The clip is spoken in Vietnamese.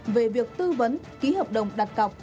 về việc tư vấn ký hợp đồng đặt cọc